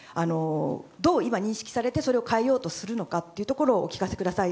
どう今、認識されてそれを変えようとするのかお聞かせください。